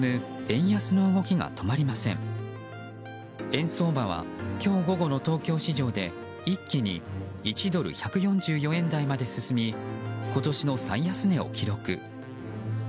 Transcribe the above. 円相場は、今日午後の東京市場で一気に１ドル＝１４４円台まで進み今年の最安値を記録。